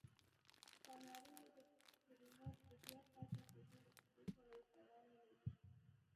دا سناریو د کریموف د بیا ټاکل کېدو له کیسې سره ورته والی لري.